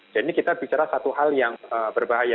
jadi kita bicara satu hal yang berbahaya